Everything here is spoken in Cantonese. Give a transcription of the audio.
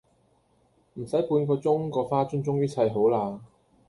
唔駛半個鐘個花樽終於砌好啦